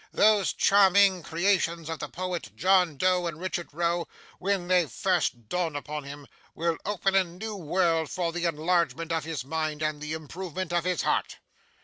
Those charming creations of the poet, John Doe and Richard Roe, when they first dawn upon him, will open a new world for the enlargement of his mind and the improvement of his heart.